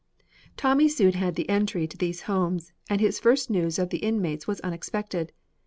Tommy soon had the entry to these homes, and his first news of the inmates was unexpected.